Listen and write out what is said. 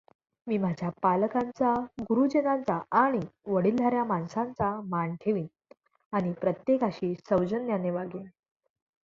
मी माझ्या पालकांचा, गुरुजनांचा आणि वडीलधाऱ्या माणसांचा मान ठेवीन आणि प्रत्येकाशी सौजन्याने वागेन।